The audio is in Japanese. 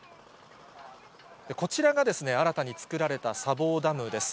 こちらが新たに作られた砂防ダムです。